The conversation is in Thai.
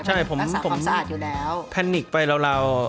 ใช่อ่ะพร้อมรักน้ำสาคมสะอาดอยู่แล้ว